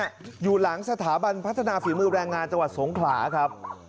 อยู่หลังสถาบันพัฒนาฝีมือแรงงานจังหวัดสงขลาครับ